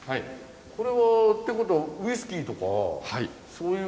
これはってことはウイスキーとかそういうことも？